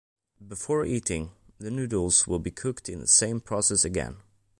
Before eating, the noodles will be cooked in the same process again.